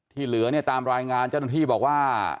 เหลือเนี่ยตามรายงานเจ้าหน้าที่บอกว่า